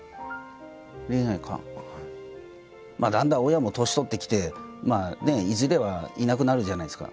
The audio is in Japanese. だんだん親も年取ってきていずれはいなくなるじゃないですか。